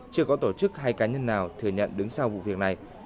chưa có tổ chức hay cá nhân nào thừa nhận đứng sau vụ việc này